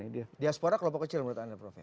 diaspora kelompok kecil menurut anda prof